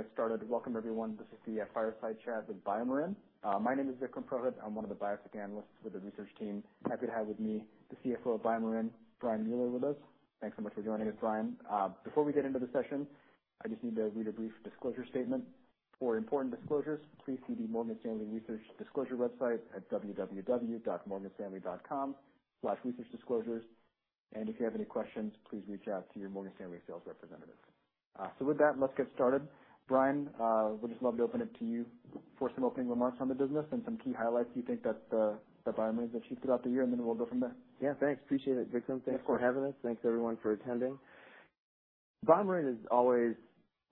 Go ahead and get started. Welcome, everyone. This is the Fireside Chat with BioMarin. My name is Vikram Purohit. I'm one of the biotech analysts with the research team. Happy to have with me the CFO of BioMarin, Brian Mueller, with us. Thanks so much for joining us, Brian. Before we get into the session, I just need to read a brief disclosure statement. "For important disclosures, please see the Morgan Stanley Research Disclosure website at www.morganstanley.com/researchdisclosures. And if you have any questions, please reach out to your Morgan Stanley sales representative." So with that, let's get started. Brian, would just love to open it to you for some opening remarks on the business and some key highlights you think that that BioMarin has achieved throughout the year, and then we'll go from there. Yeah, thanks. Appreciate it, Vikram. Of course. Thanks for having us. Thanks, everyone, for attending. BioMarin has always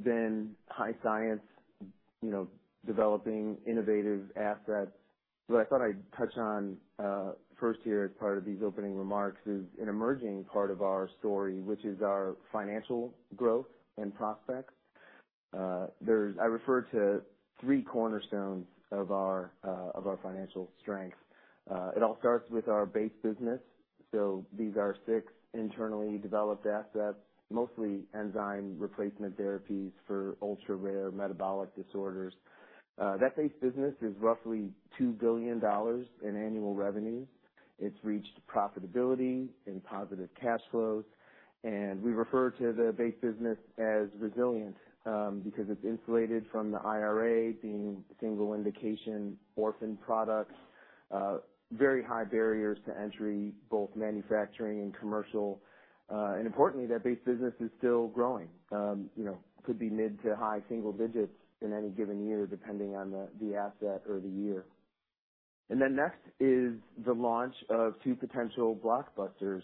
been high science, you know, developing innovative assets. What I thought I'd touch on first here, as part of these opening remarks, is an emerging part of our story, which is our financial growth and prospects. I refer to three cornerstones of our financial strength. It all starts with our base business. So these are six internally developed assets, mostly enzyme replacement therapies for ultra-rare metabolic disorders. That base business is roughly $2 billion in annual revenue. It's reached profitability and positive cash flows, and we refer to the base business as resilient, because it's insulated from the IRA, being single indication orphan products, very high barriers to entry, both manufacturing and commercial. And importantly, that base business is still growing. You know, it could be mid- to high single digits in any given year, depending on the asset or the year. Then next is the launch of two potential blockbusters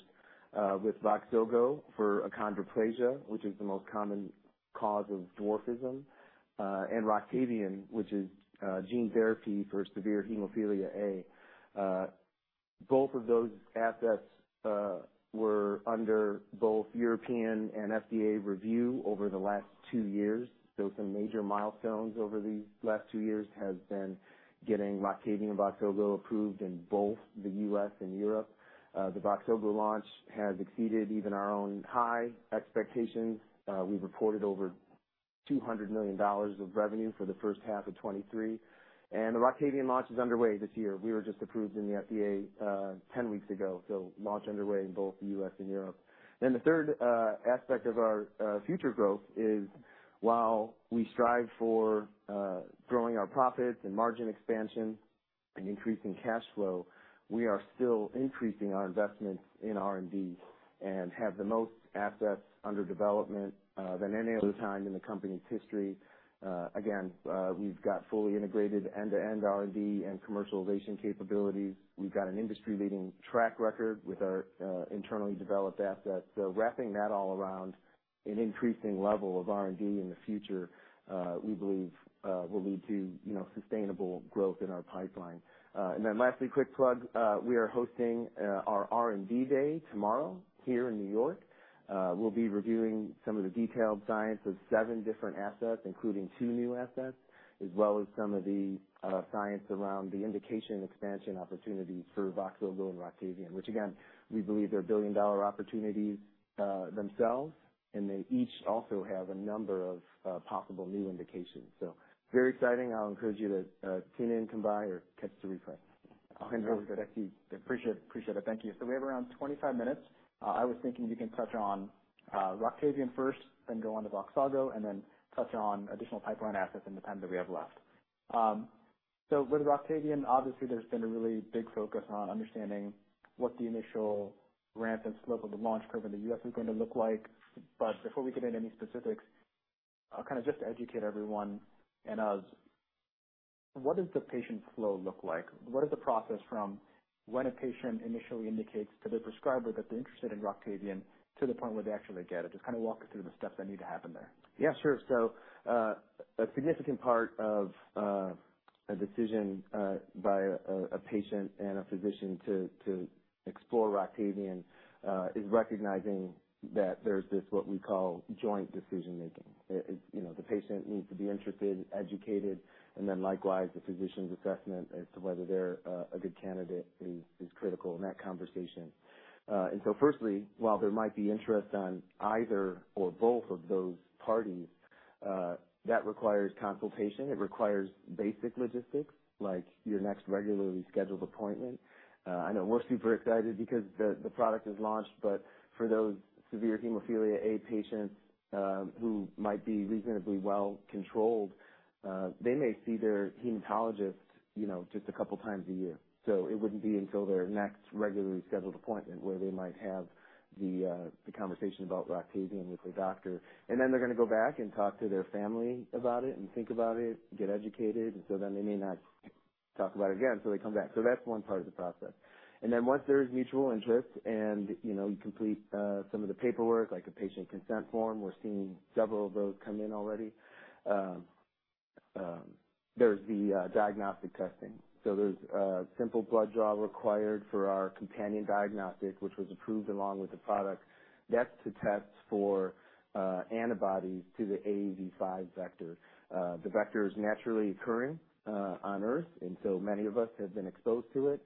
with VOXZOGO for achondroplasia, which is the most common cause of dwarfism, and ROCTAVIAN, which is gene therapy for severe hemophilia A. Both of those assets were under both European and FDA review over the last two years. Some major milestones over these last two years has been getting ROCTAVIAN and VOXZOGO approved in both the U.S. and Europe. The VOXZOGO launch has exceeded even our own high expectations. We've reported over $200 million of revenue for the first half of 2023, and the ROCTAVIAN launch is underway this year. We were just approved in the FDA 10 weeks ago, so launch underway in both the U.S. and Europe. Then the third aspect of our future growth is, while we strive for growing our profits and margin expansion and increasing cash flow, we are still increasing our investments in R&D and have the most assets under development than any other time in the company's history. Again, we've got fully integrated end-to-end R&D and commercialization capabilities. We've got an industry-leading track record with our internally developed assets. So wrapping that all around an increasing level of R&D in the future, we believe will lead to, you know, sustainable growth in our pipeline. And then lastly, quick plug. We are hosting our R&D Day tomorrow here in New York. We'll be reviewing some of the detailed science of seven different assets, including two new assets, as well as some of the science around the indication and expansion opportunities for VOXZOGO and ROCTAVIAN, which, again, we believe they're billion-dollar opportunities themselves, and they each also have a number of possible new indications. Very exciting. I'll encourage you to tune in, come by, or catch the replay. Sounds really good. Appreciate, appreciate it. Thank you. So we have around 25-minutes. I was thinking you can touch on ROCTAVIAN first, then go on to VOXZOGO, and then touch on additional pipeline assets in the time that we have left. So with ROCTAVIAN, obviously, there's been a really big focus on understanding what the initial ramp and slope of the launch curve in the U.S. is going to look like. But before we get into any specifics, kind of just to educate everyone and us, what does the patient flow look like? What is the process from when a patient initially indicates to the prescriber that they're interested in ROCTAVIAN to the point where they actually get it? Just kind of walk us through the steps that need to happen there. Yeah, sure. So, a significant part of a decision by a patient and a physician to explore ROCTAVIAN is recognizing that there's this, what we call, joint decision-making. You know, the patient needs to be interested, educated, and then likewise, the physician's assessment as to whether they're a good candidate is critical in that conversation. And so firstly, while there might be interest on either or both of those parties, that requires consultation. It requires basic logistics, like your next regularly scheduled appointment. I know we're super excited because the product is launched, but for those severe Hemophilia A patients who might be reasonably well controlled, they may see their hematologist, you know, just a couple times a year. So it wouldn't be until their next regularly scheduled appointment where they might have the conversation about ROCTAVIAN with their doctor. And then they're gonna go back and talk to their family about it and think about it, get educated, and so then they may not talk about it again, so they come back. So that's one part of the process. And then once there is mutual interest and, you know, you complete some of the paperwork, like a patient consent form, we're seeing several of those come in already. There's the diagnostic testing. So there's a simple blood draw required for our companion diagnostic, which was approved along with the product. That's to test for antibodies to the AAV5 vector. The vector is naturally occurring on earth, and so many of us have been exposed to it.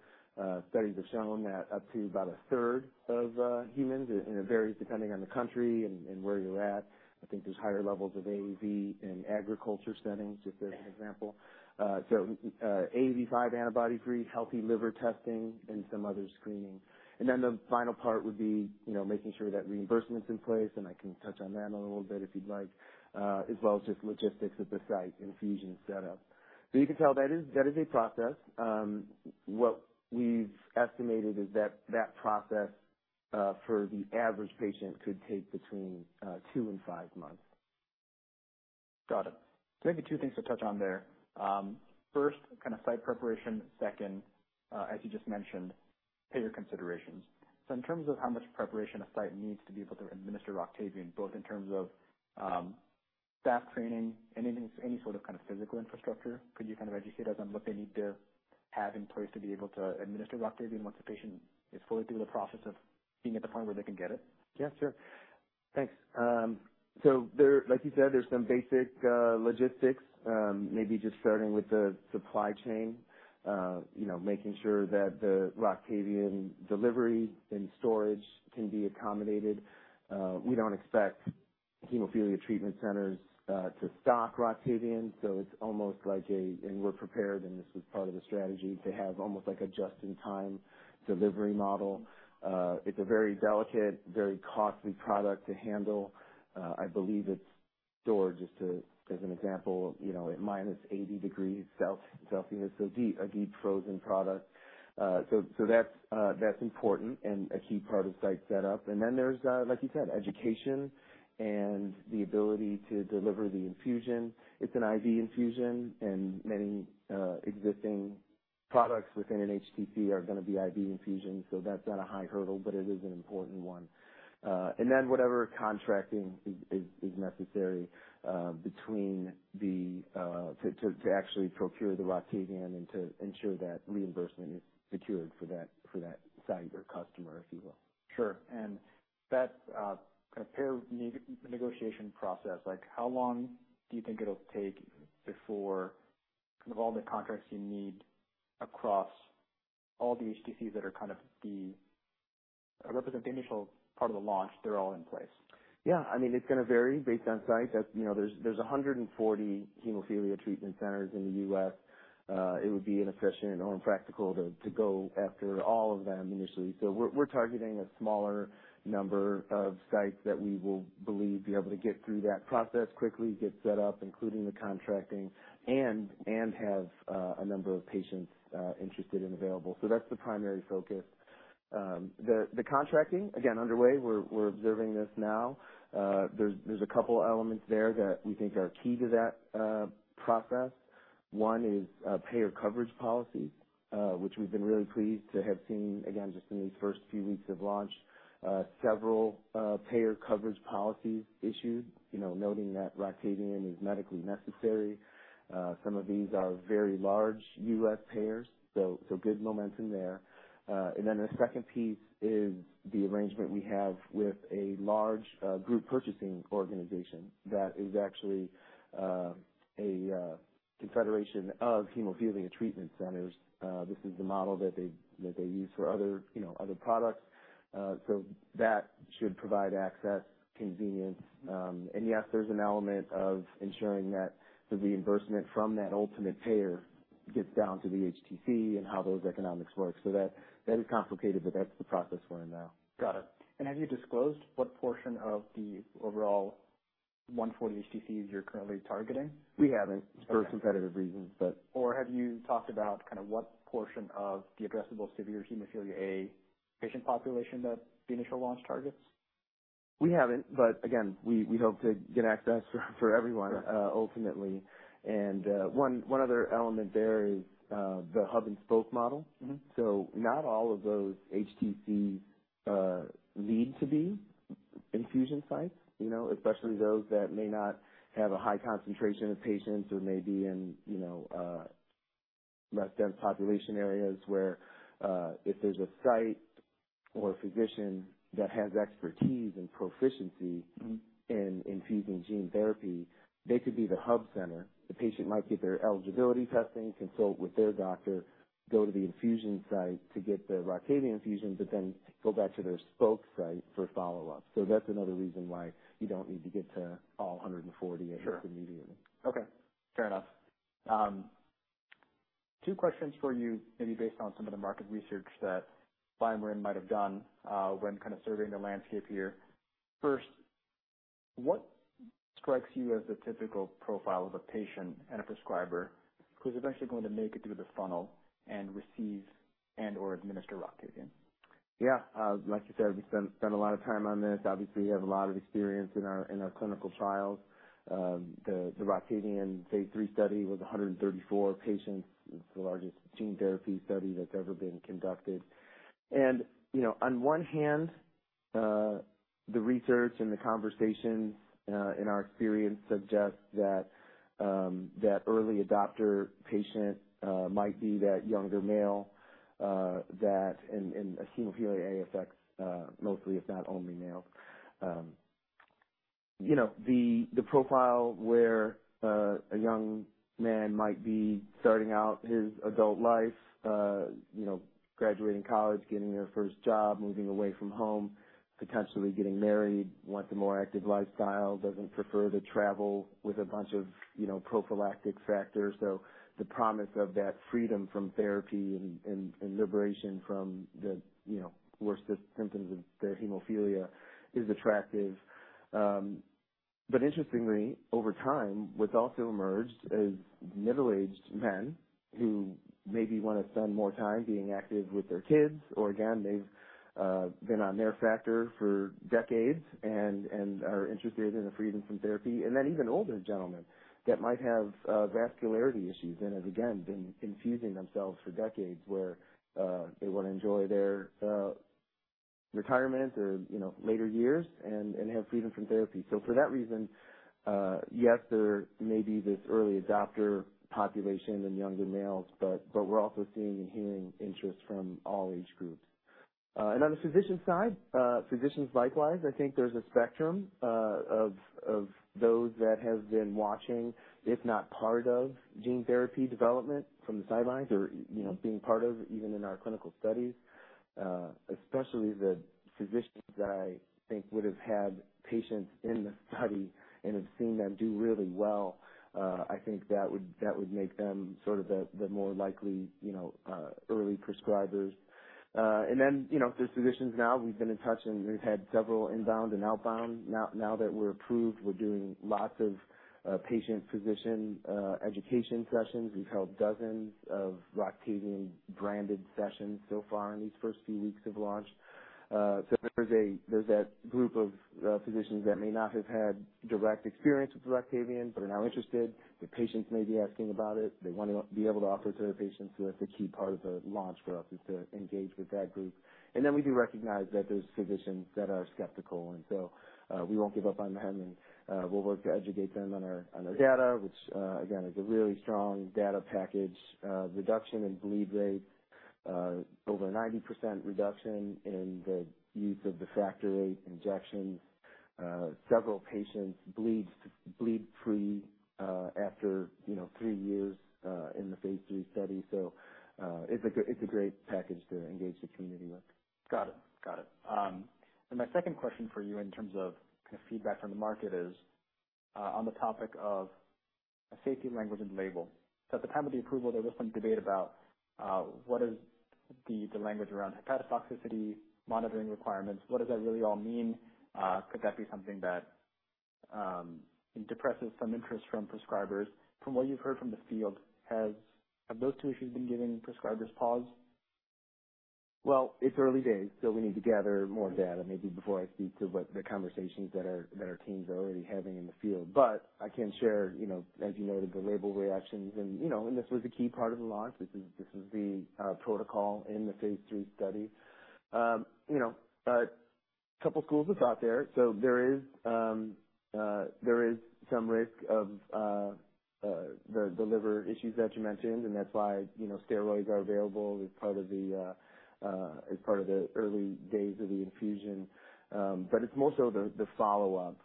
Studies have shown that up to about a third of humans, and it varies depending on the country and where you're at. I think there's higher levels of AAV in agriculture settings, just as an example. AAV5 antibody free, healthy liver testing, and some other screening. And then the final part would be, you know, making sure that reimbursement's in place, and I can touch on that a little bit if you'd like, as well as just logistics at the site infusion setup. So you can tell that is a process. What we've estimated is that that process for the average patient could take between two and five months. Got it. So maybe two things to touch on there. First, kind of site preparation. Second, as you just mentioned, payer considerations. So in terms of how much preparation a site needs to be able to administer ROCTAVIAN, both in terms of staff training and any sort of kind of physical infrastructure, could you kind of educate us on what they need to have in place to be able to administer ROCTAVIAN once a patient is fully through the process of being at the point where they can get it? Yeah, sure. Thanks. So, like you said, there's some basic logistics, maybe just starting with the supply chain. You know, making sure that the ROCTAVIAN delivery and storage can be accommodated. We don't expect hemophilia treatment centers to stock ROCTAVIAN, so it's almost like a-- And we're prepared, and this is part of the strategy, to have almost like a just-in-time delivery model. It's a very delicate, very costly product to handle. I believe it's stored, just as an example, you know, at -80 degrees Celsius, so a deep frozen product. So that's important and a key part of site setup. And then there's, like you said, education and the ability to deliver the infusion. It's an IV infusion, and many existing products within an HTC are going to be IV infusion, so that's not a high hurdle, but it is an important one. And then whatever contracting is necessary between the to actually procure the ROCTAVIAN and to ensure that reimbursement is secured for that, for that site or customer, if you will. Sure. And that kind of payer negotiation process, like, how long do you think it'll take before kind of all the contracts you need across all the HTCs that are kind of the represent the initial part of the launch, they're all in place? Yeah. I mean, it's going to vary based on site. That's, you know, there are 140 Hemophilia Treatment Centers in the U.S. It would be inefficient or impractical to go after all of them initially. So we're targeting a smaller number of sites that we believe will be able to get through that process quickly, get set up, including the contracting, and have a number of patients interested and available. So that's the primary focus. The contracting, again, underway. We're observing this now. There are a couple elements there that we think are key to that process. One is payer coverage policy, which we've been really pleased to have seen, again, just in these first few weeks of launch, several payer coverage policies issued, you know, noting that ROCTAVIAN is medically necessary. Some of these are very large U.S. payers, so good momentum there. And then the second piece is the arrangement we have with a large group purchasing organization that is actually a confederation of hemophilia treatment centers. This is the model that they use for other, you know, other products. So that should provide access, convenience. And yes, there's an element of ensuring that the reimbursement from that ultimate payer gets down to the HTC and how those economics work. So that is complicated, but that's the process we're in now. Got it. And have you disclosed what portion of the overall 140 HTCs you're currently targeting? We haven't- Okay. -for competitive reasons, but- Or have you talked about kind of what portion of the addressable severe Hemophilia A patient population that the initial launch targets? We haven't, but again, we hope to get access for everyone. Sure. Ultimately. And one other element there is, the hub and spoke model. So not all of those HTCs need to be infusion sites, you know, especially those that may not have a high concentration of patients or may be in, you know, less dense population areas, where if there's a site or a physician that has expertise and proficiency and In infusing gene therapy, they could be the hub center. The patient might get their eligibility testing, consult with their doctor, go to the infusion site to get the ROCTAVIAN infusion, but then go back to their spoke site for Pfollow-up. So that's another reason why you don't need to get to all 140- Sure. -immediately. Okay, fair enough. Two questions for you, maybe based on some of the market research that BioMarin might have done, when kind of surveying the landscape here. First, what strikes you as the typical profile of a patient and a prescriber who's eventually going to make it through this funnel and receive and/or administer ROCTAVIAN? Yeah. Like you said, we spent a lot of time on this. Obviously, we have a lot of experience in our clinical trials. The ROCTAVIAN phase III study was 134 patients. It's the largest gene therapy study that's ever been conducted. And, you know, on one hand, the research and the conversation in our experience suggests that that early adopter patient might be that younger male, that and hemophilia A affects mostly, if not only males. You know, the profile where a young man might be starting out his adult life, you know, graduating college, getting their first job, moving away from home, potentially getting married, wants a more active lifestyle, doesn't prefer to travel with a bunch of, you know, prophylactic factors. So the promise of that freedom from therapy and liberation from the, you know, worst symptoms of the hemophilia is attractive. But interestingly, over time, what's also emerged is middle-aged men who maybe want to spend more time being active with their kids, or again, they've been on their factor for decades and are interested in the freedom from therapy. And then even older gentlemen that might have vascularity issues and have, again, been infusing themselves for decades, where they want to enjoy their retirement or, you know, later years and have freedom from therapy. So for that reason, yes, there may be this early adopter population in younger males, but we're also seeing and hearing interest from all age groups. And on the physician side, physicians likewise, I think there's a spectrum of those that have been watching, if not part of gene therapy development from the sidelines or, you know, being part of, even in our clinical studies, especially the physicians that I think would have had patients in the study and have seen them do really well. I think that would, that would make them sort of the more likely, you know, early prescribers. And then, you know, there's physicians now we've been in touch, and we've had several inbound and outbound. Now that we're approved, we're doing lots of patient-physician education sessions. We've held dozens of ROCTAVIAN-branded sessions so far in these first few weeks of launch. So there's that group of physicians that may not have had direct experience with ROCTAVIAN but are now interested. Their patients may be asking about it. They want to be able to offer it to their patients. So that's a key part of the launch for us, is to engage with that group. And then we do recognize that there's physicians that are skeptical, and so we won't give up on them, and we'll work to educate them on our data, which again is a really strong data package. Reduction in bleed rates, over a 90% reduction in the use of the Factor VIII injections. Several patients bleed free, you know, after three years in the phase III study. So it's a great package to engage the community with. Got it. Got it. And my second question for you, in terms of kind of feedback from the market, is on the topic of safety language and label. So at the time of the approval, there was some debate about what is the language around hepatotoxicity, monitoring requirements. What does that really all mean? Could that be something that depresses some interest from prescribers? From what you've heard from the field, have those two issues been giving prescribers pause? Well, it's early days, so we need to gather more data, maybe before I speak to what the conversations that our teams are already having in the field. But I can share, you know, as you noted, the label reactions and, you know, and this was a key part of the launch. This is the protocol in the phase III study. You know, a couple schools of thought there. So there is some risk of the liver issues that you mentioned, and that's why, you know, steroids are available as part of the early days of the infusion. But it's more so the follow-up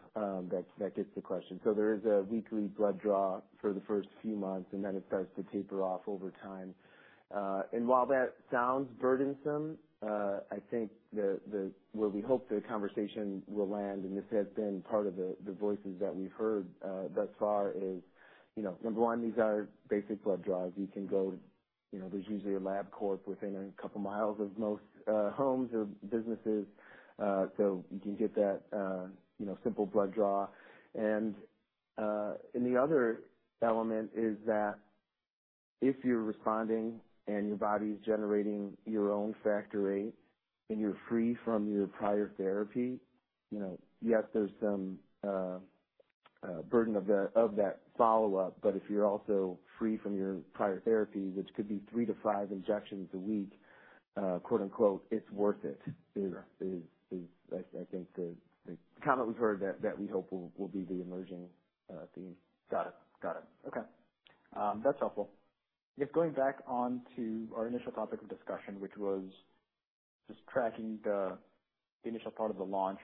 that gets the question. So there is a weekly blood draw for the first few months, and then it starts to taper off over time. And while that sounds burdensome, I think the where we hope the conversation will land, and this has been part of the voices that we've heard thus far, is, you know, number one, these are basic blood draws. You can go, you know, there's usually a LabCorp within a couple miles of most homes or businesses. So you can get that, you know, simple blood draw. And the other element is that if you're responding and your body's generating your own Factor VIII, and you're free from your prior therapy, you know, yes, there's some burden of that follow-up, but if you're also free from your prior therapy, which could be three to five injections a week, quote unquote, "It's worth it" is, I think, the comment we've heard that we hope will be the emerging theme. Got it. Got it. Okay, that's helpful. Just going back on to our initial topic of discussion, which was just tracking the initial part of the launch.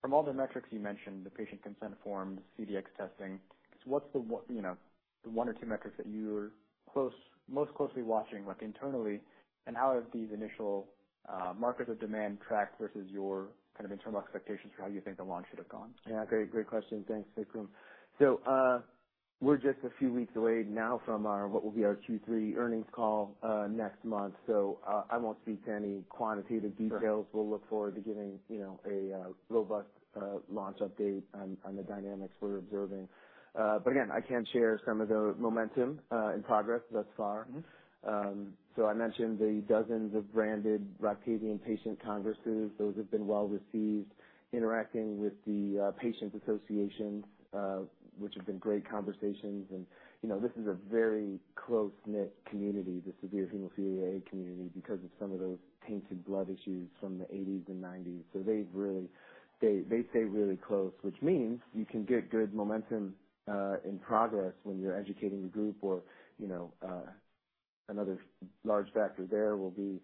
From all the metrics you mentioned, the patient consent form, CDx testing, what's the one, you know, the one or two metrics that you're most closely watching, like, internally, and how have these initial markets of demand tracked versus your kind of internal expectations for how you think the launch should have gone? Yeah, great. Great question. Thanks, Vikram. So, we're just a few weeks away now from our... what will be our Q3 earnings call, next month. So, I won't speak to any quantitative details. Sure. We'll look forward to giving, you know, a robust launch update on the dynamics we're observing. But again, I can share some of the momentum and progress thus far. So I mentioned the dozens of branded ROCTAVIAN patient congresses. Those have been well received, interacting with the patient associations, which have been great conversations. You know, this is a very close-knit community, the severe Hemophilia A community, because of some of those tainted blood issues from the eighties and nineties. They stay really close, which means you can get good momentum in progress when you're educating a group or, you know, another large factor there will be,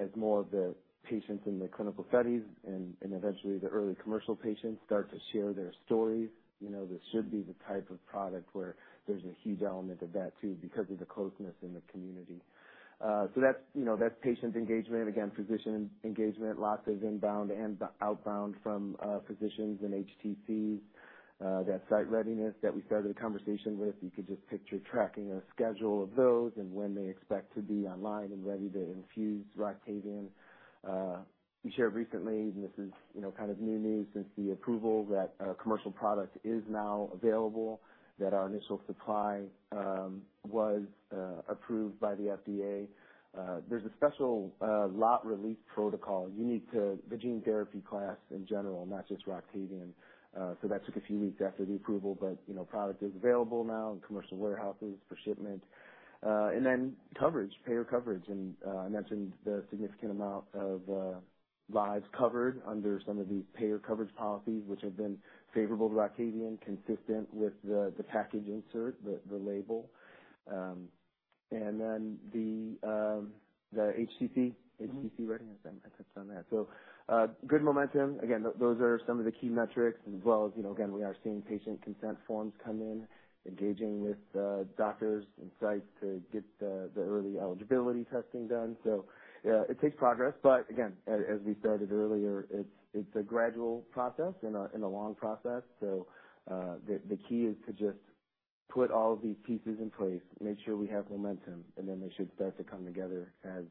as more of the patients in the clinical studies and eventually the early commercial patients start to share their stories. You know, this should be the type of product where there's a huge element of that, too, because of the closeness in the community. So that's, you know, that's patient engagement. Again, physician engagement, lots of inbound and outbound from physicians and HTCs. That site readiness that we started a conversation with, you could just picture tracking a schedule of those and when they expect to be online and ready to infuse ROCTAVIAN. We shared recently, and this is, you know, kind of new news since the approval, that a commercial product is now available, that our initial supply was approved by the FDA. There's a special lot release protocol unique to the gene therapy class in general, not just ROCTAVIAN. So that took a few weeks after the approval, but, you know, product is available now in commercial warehouses for shipment. And then coverage, payer coverage, and I mentioned the significant amount of lives covered under some of these payer coverage policies, which have been favorable to ROCTAVIAN, consistent with the package insert, the label. And then the HTC, HTC readiness. I touched on that. So, good momentum. Again, those are some of the key metrics as well as, you know, again, we are seeing patient consent forms come in, engaging with doctors and sites to get the early eligibility testing done. So, it takes progress, but again, as we stated earlier, it's a gradual process and a long process. So, the key is to just put all of these pieces in place, make sure we have momentum, and then they should start to come together as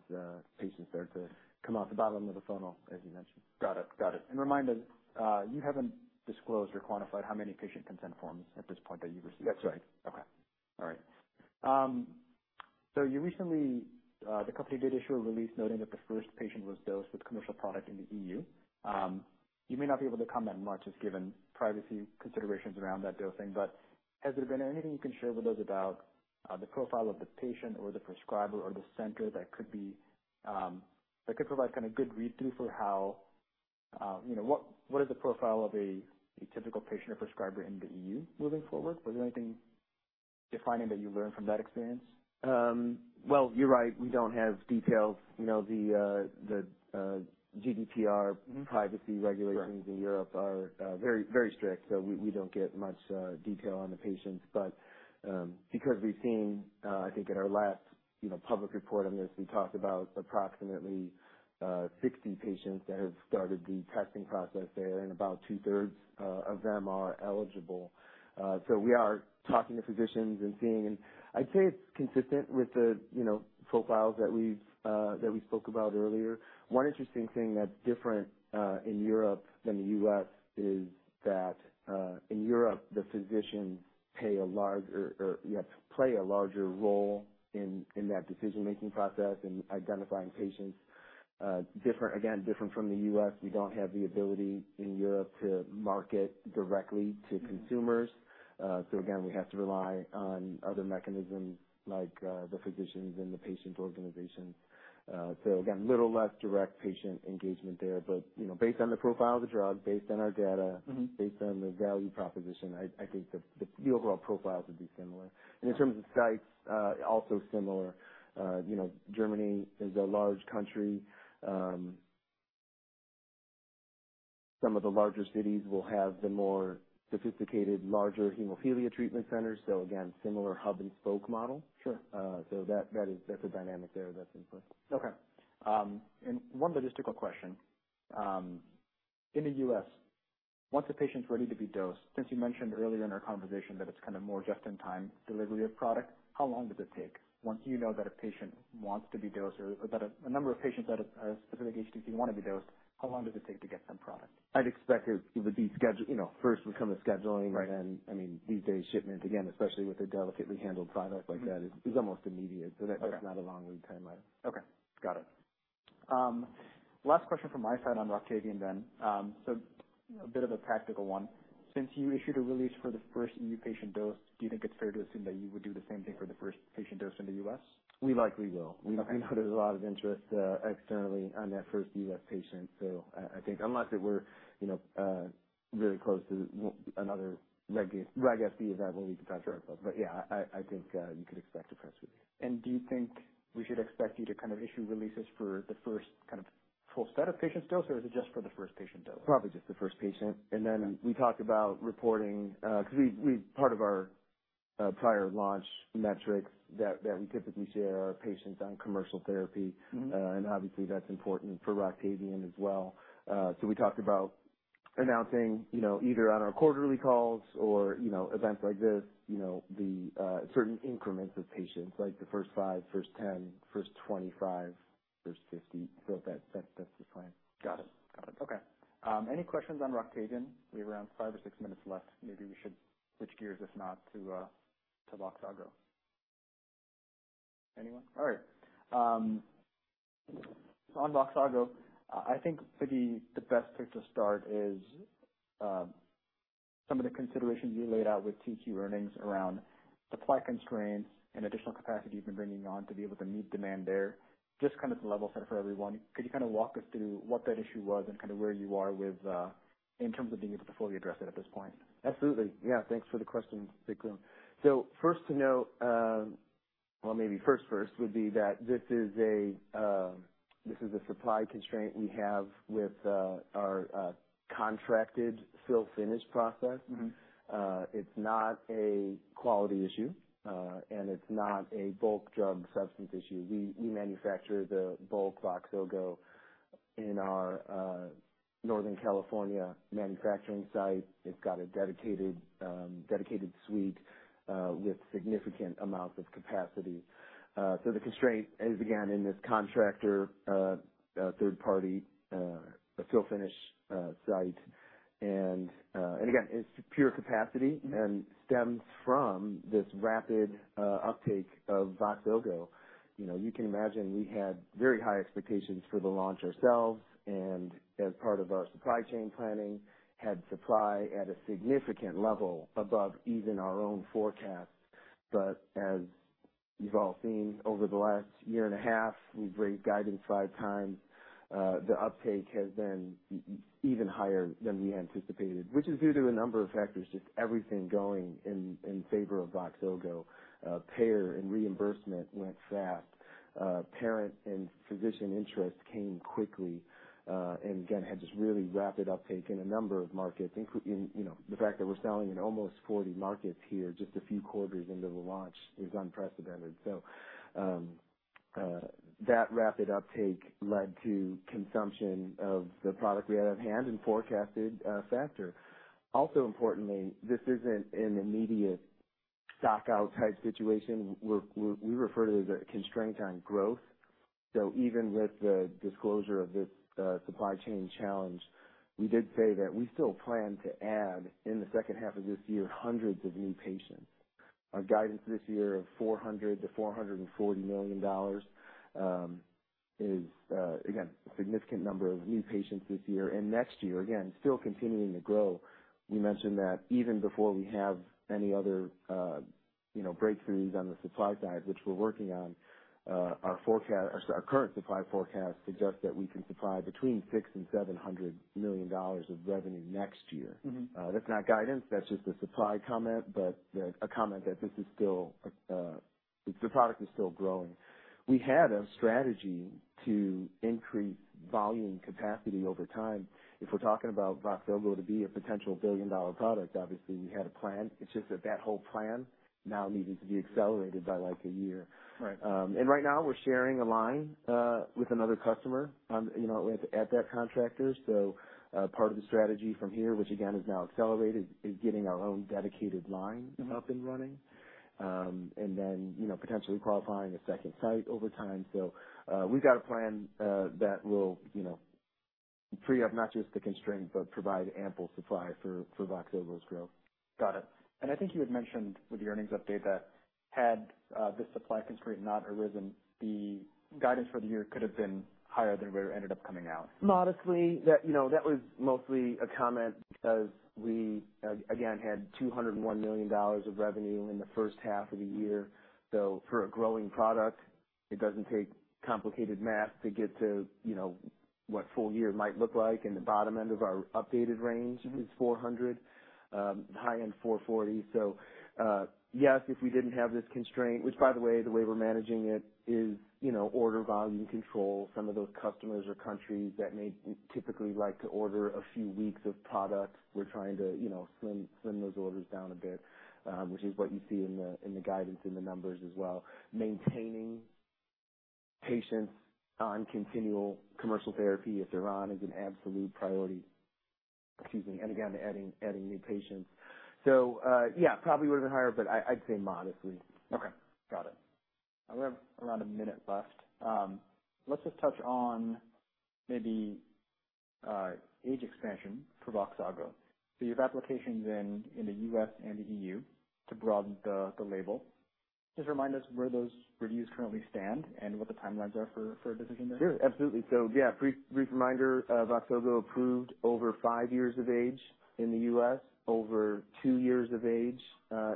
patients start to come out the bottom of the funnel, as you mentioned. Got it. Got it. And remind us, you haven't disclosed or quantified how many patient consent forms at this point that you've received? That's right. Okay. All right. So you recently, the company did issue a release noting that the first patient was dosed with commercial product in the E.U. You may not be able to comment much just given privacy considerations around that dosing, but has there been anything you can share with us about the profile of the patient or the prescriber or the center that could provide kind of good read through for how you know what is the profile of a typical patient or prescriber in the E.U. moving forward? Was there anything defining that you learned from that experience? Well, you're right. We don't have details. You know, the GDPR privacy regulations- Right. In Europe are very, very strict, so we don't get much detail on the patients. But because we've seen, I think in our last, you know, public report on this, we talked about approximately 60 patients that have started the testing process there, and about two thirds of them are eligible. So we are talking to physicians and seeing, and I'd say it's consistent with the, you know, profiles that we've that we spoke about earlier. One interesting thing that's different in Europe than the U.S. is that in Europe, the physicians pay a large, or, or, you know, play a larger role in that decision-making process in identifying patients. Different, again, different from the U.S., we don't have the ability in Europe to market directly to consumers. So again, we have to rely on other mechanisms like the physicians and the patient organizations. So again, little less direct patient engagement there, but, you know, based on the profile of the drug, based on our data based on the value proposition, I think the overall profiles would be similar. In terms of sites, also similar. You know, Germany is a large country. Some of the larger cities will have the more sophisticated, larger hemophilia treatment centers. So again, similar hub and spoke model. Sure. So that's a dynamic there that's in play. Okay. And one logistical question. In the U.S., once a patient's ready to be dosed, since you mentioned earlier in our conversation that it's kind of more just-in-time delivery of product, how long does it take once you know that a patient wants to be dosed or that a number of patients at a specific HTC want to be dosed, how long does it take to get them product? I'd expect it. It would be scheduled, you know, first would come the scheduling. Right. I mean, these days, shipment, again, especially with a delicately handled product like that is almost immediate. Okay. So that's not a long lead time item. Okay. Got it. Last question from my side on ROCTAVIAN then. So a bit of a practical one. Since you issued a release for the first new patient dose, do you think it's fair to assume that you would do the same thing for the first patient dose in the U.S.? We likely will. Okay. We know there's a lot of interest externally on that first U.S. patient. So I think unless we're, you know, really close to another ROCTAVIAN available, we can talk to our club. Sure. Yeah, I think you could expect a press release. Do you think we should expect you to kind of issue releases for the first kind of full set of patient dose, or is it just for the first patient dose? Probably just the first patient. Okay. Then we talked about reporting, because part of our prior launch metrics that we typically share are patients on commercial therapy. Obviously, that's important for ROCTAVIAN as well. So we talked about announcing, you know, either on our quarterly calls or, you know, events like this, you know, the certain increments of patients, like the first 5, first 10, first 25, first 50. That's the plan. Got it. Got it. Okay. Any questions on ROCTAVIAN? We have around five or six minutes left. Maybe we should switch gears, if not, to VOXZOGO. Anyone? All right. On VOXZOGO, I think maybe the best place to start is some of the considerations you laid out with 2Q earnings around supply constraints and additional capacity you've been bringing on to be able to meet demand there. Just kind of to level set for everyone, could you kind of walk us through what that issue was and kind of where you are with in terms of being able to fully address it at this point? Absolutely. Yeah, thanks for the question, Vikram. So first to note, well, maybe first, first would be that this is a supply constraint we have with our contracted fill finish process. It's not a quality issue, and it's not a bulk drug substance issue. We manufacture the bulk VOXZOGO in our Northern California manufacturing site. It's got a dedicated suite with significant amounts of capacity. So the constraint is, again, in this contractor third party fill finish site. And again, it's pure capacity and stems from this rapid uptake of VOXZOGO. You know, you can imagine we had very high expectations for the launch ourselves, and as part of our supply chain planning, had supply at a significant level above even our own forecast. But as you've all seen over the last year and a half, we've raised guidance five times. The uptake has been even higher than we anticipated, which is due to a number of factors, just everything going in favor of VOXZOGO. Payer and reimbursement went fast, parent and physician interest came quickly, and again, had just really rapid uptake in a number of markets, including, you know, the fact that we're selling in almost 40 markets here just a few quarters into the launch is unprecedented. So, that rapid uptake led to consumption of the product we had on hand and forecasted faster. Also, importantly, this isn't an immediate stock out type situation. We refer to it as a constraint on growth. So even with the disclosure of this supply chain challenge, we did say that we still plan to add, in the second half of this year, hundreds of new patients. Our guidance this year of $400 million-$440 million is, again, a significant number of new patients this year and next year, again, still continuing to grow. We mentioned that even before we have any other, you know, breakthroughs on the supply side, which we're working on, our current supply forecast suggests that we can supply between $600 million and $700 million of revenue next year. That's not guidance, that's just a supply comment, but a comment that this is still, the product is still growing. We had a strategy to increase volume capacity over time. If we're talking about VOXZOGO to be a potential billion-dollar product, obviously we had a plan. It's just that that whole plan now needed to be accelerated by, like, a year. Right. And right now we're sharing a line with another customer, you know, with at that contractor. So part of the strategy from here, which again, is now accelerated, is getting our own dedicated line up and running, and then, you know, potentially qualifying a second site over time. So, we've got a plan that will, you know, free up not just the constraints, but provide ample supply for VOXZOGO's growth. Got it. And I think you had mentioned with the earnings update that had, this supply constraint not arisen, the guidance for the year could have been higher than where it ended up coming out. Modestly, that, you know, that was mostly a comment because we, again, had $201 million of revenue in the first half of the year. So for a growing product, it doesn't take complicated math to get to, you know, what full year might look like, and the bottom end of our updated range is $400, high end $440. So, yes, if we didn't have this constraint, which by the way, the way we're managing it is, you know, order volume control. Some of those customers or countries that may typically like to order a few weeks of product, we're trying to, you know, slim those orders down a bit, which is what you see in the guidance, in the numbers as well. Maintaining patients on continual commercial therapy, if they're on, is an absolute priority. Excuse me, and again, adding new patients. So, yeah, probably would have been higher, but I'd say modestly. Okay, got it. We have around a minute left. Let's just touch on maybe age expansion forVOXZOGO. So you have applications in the U.S. and the E.U. to broaden the label. Just remind us where those reviews currently stand and what the timelines are for a decision there. Sure, absolutely. So yeah, brief reminder, VOXZOGO approved over five years of age in the U.S., over two years of age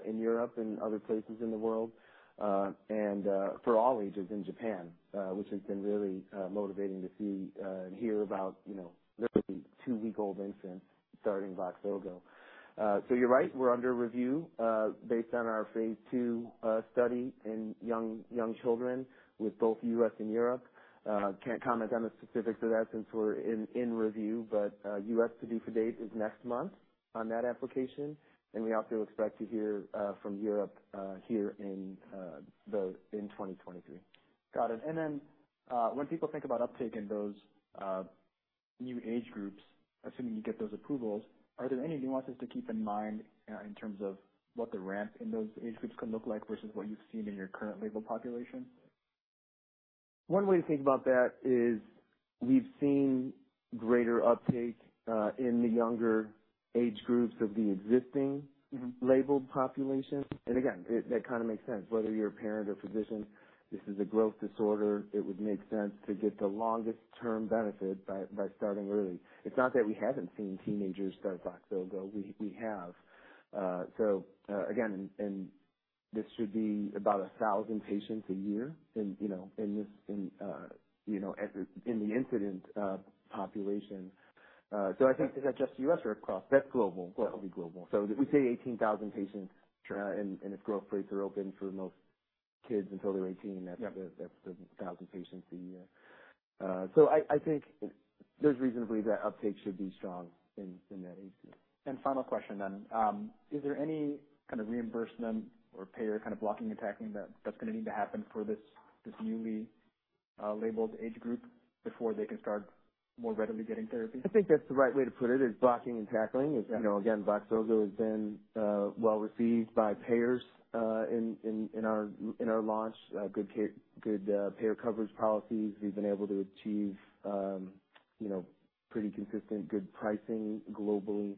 in Europe and other places in the world, and for all ages in Japan, which has been really motivating to see and hear about, you know, literally two week-old infants starting VOXZOGO. So you're right, we're under review based on our phase II study in young children with both US and Europe. Can't comment on the specifics of that since we're in review, but U.S. PDUFA date is next month on that application, and we also expect to hear from Europe here in 2023. Got it. And then, when people think about uptake in those new age groups, assuming you get those approvals, are there any nuances to keep in mind in terms of what the ramp in those age groups could look like versus what you've seen in your current label population? One way to think about that is we've seen greater uptake in the younger age groups of the existing labeled population. Again, that kind of makes sense. Whether you're a parent or physician, this is a growth disorder. It would make sense to get the longest term benefit by starting early. It's not that we haven't seen teenagers start VOXZOGO. We have. So, again, and this should be about 1,000 patients a year in, you know, in this, in, you know, at the, in the incidence population. So I think- Is that just U.S. or across? That's global. Global. That'll be global. So we say 18,000 patients- Sure. if growth plates are open for most kids until they're 18- Yep. That's 1,000 patients a year. So I think there's reason to believe that uptake should be strong in that age group. Final question then, is there any kind of reimbursement or payer kind of blocking and tackling that's gonna need to happen for this newly labeled age group before they can start more readily getting therapy? I think that's the right way to put it, is blocking and tackling. Yeah. You know, again, VOXZOGO has been well received by payers in our launch. Good payer coverage policies. We've been able to achieve, you know, pretty consistent, good pricing globally.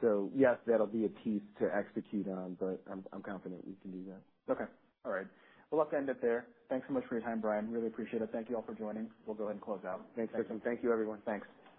So yes, that'll be a piece to execute on, but I'm confident we can do that. Okay. All right. Well, let's end it there. Thanks so much for your time, Brian. Really appreciate it. Thank you all for joining. We'll go ahead and close out. Thanks, Vikram. Thank you, everyone. Thanks.